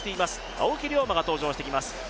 青木涼真が登場してきます。